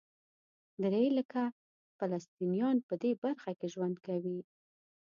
درې لکه فلسطینیان په دې برخه کې ژوند کوي.